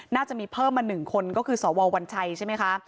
น่าจะมีเพิ่มมา๑คนก็คือสววัญชัยใช่ไหมคะ